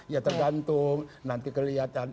ya tergantung nanti kelihatan